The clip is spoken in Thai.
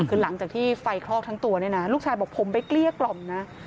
คือหลังจากที่ไฟคลอกทั้งตัวเนี่ยนะลูกชายบอกผมไปเกลี้ยกล่อมนะ